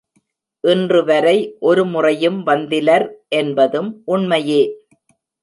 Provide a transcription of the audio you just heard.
இன்று வரை ஒருமுறையும் வந்திலர் என்பதும் உண்மையே.